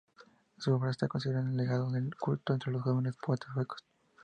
Su obra es considerada un legado de "culto" entre los jóvenes poetas suecos.